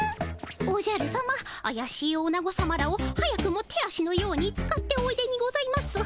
おじゃるさまあやしいオナゴさまらを早くも手足のように使っておいでにございます。